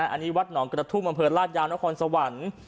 อันนี้วัดหนองกระทุ่มอำเภอลาดยาวนครสวรรค์